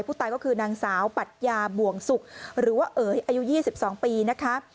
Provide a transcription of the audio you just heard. ผู้ตายก็คือนางสาวปัชญาบ่วงสุกหรือว่าเอ๋ยอายุ๒๒ปีนะคะ